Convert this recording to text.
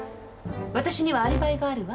わたしにはアリバイがあるわ。